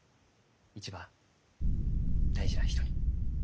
一番大事な人に。